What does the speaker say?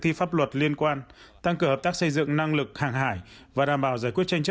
thi pháp luật liên quan tăng cường hợp tác xây dựng năng lực hàng hải và đảm bảo giải quyết tranh chấp